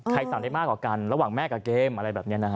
สั่งได้มากกว่ากันระหว่างแม่กับเกมอะไรแบบนี้นะฮะ